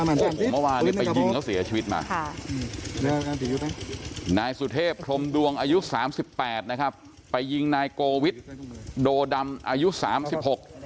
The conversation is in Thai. เมื่อวานเนี่ยไปยิงเขาเสียชีวิตมาค่ะนายสุเทพพรมดวงอายุสามสิบแปดนะครับไปยิงนายโกวิทโดดำอายุสามสิบหก